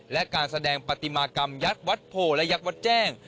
และการแสดงปฏิมากรรมยัดวัดโพและยัดวัดแจ้ง